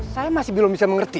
saya masih belum bisa mengerti